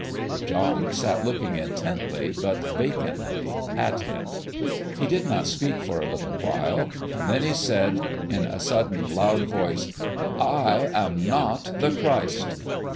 John sat looking intently but vacantly at him. He did not speak for a little while. Then he said, in a sudden, loud voice, "I am not the Christ."